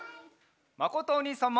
まことおにいさんも。